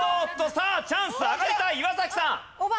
さあチャンスだ上がりたい岩崎さん。